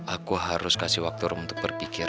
aku harus kasih waktu rom untuk berpikir